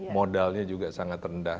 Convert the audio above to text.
modalnya juga sangat rendah